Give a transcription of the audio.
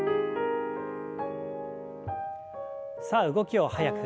さあ動きを早く。